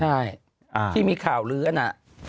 ใช่ที่มีข่าวลื้อนะ